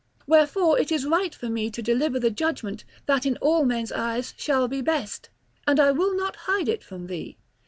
Wherefore it is right for me to deliver the judgement that in all men's eyes shall be best; and I will not hide it from thee.